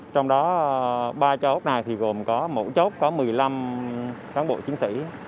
trong đó ba chốt này thì gồm có một chốt có một mươi năm cán bộ chiến sĩ